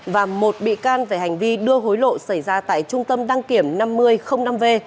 và một bị can về hành vi đưa hối lộ xảy ra tại trung tâm đăng kiểm năm mươi năm v